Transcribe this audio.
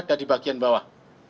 dan di bagian bawah